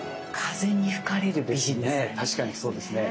風に吹かれる美人ですね。